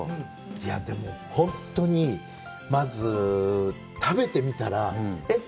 いや、でも本当に、まず食べてみたら、えっ？